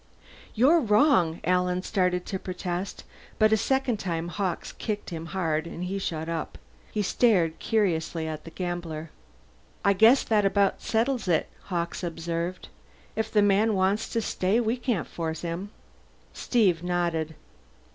"You're wrong!" Alan started to protest, but a second time Hawkes kicked him hard, and he shut up. He stared curiously at the gambler. "I guess that about settles it," Hawkes observed. "If the man wants to stay, we can't force him." Steve nodded.